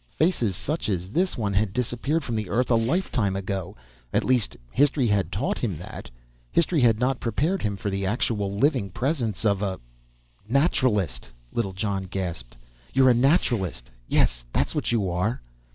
Faces such as this one had disappeared from the earth a lifetime ago. At least, history had taught him that. History had not prepared him for the actual living presence of a "Naturalist!" Littlejohn gasped. "You're a Naturalist! Yes, that's what you are!"